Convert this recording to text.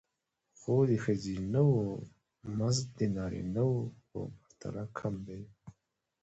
خو د ښځینه وو مزد د نارینه وو په پرتله کم دی